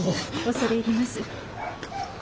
恐れ入ります。